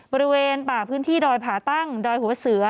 บริเวณป่าพื้นที่ดอยผ่าตั้งดอยหัวเสือ